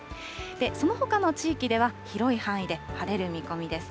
そのほかの地域では、広い範囲で晴れる見込みです。